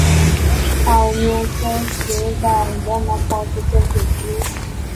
Allmusic gave the album a positive review.